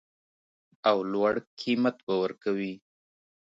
او لوړ قیمت به ورکوي